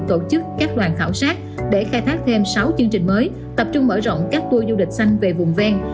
tổ chức các đoàn khảo sát để khai thác thêm sáu chương trình mới tập trung mở rộng các tour du lịch xanh về vùng ven